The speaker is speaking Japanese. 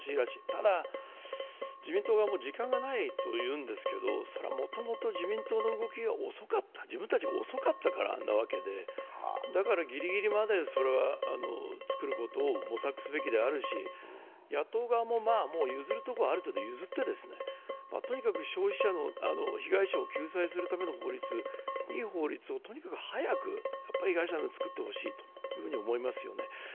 ただ自民党がもう時間がないと言うんですけどそれはもともと自民党の動き、自分たちが遅かったわけで、だから、ぎりぎりまで、作ることを模索するべきであるし、野党側も譲るところはある程度譲ってとにかく消費者の被害者を救済するための法律、いい法律をとにかく早く、やっぱり被害者のために作ってほしいと思いますよね。